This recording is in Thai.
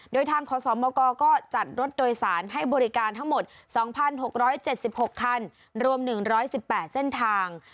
โดยทางขอสมบัติก่อก็จัดรถโดยสารให้บริการทั้งหมดสองพันหกร้อยเจ็ดสิบหกคันรวมหนึ่งร้อยสิบแปดเส้นทาง